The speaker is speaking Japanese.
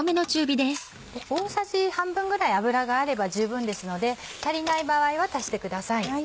大さじ半分ぐらい油があれば十分ですので足りない場合は足してください。